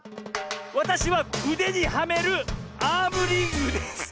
わたしはうでにはめるアームリングです！